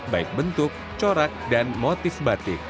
baik bentuk corak dan motif batik